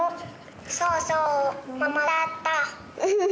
そうそう桃だった。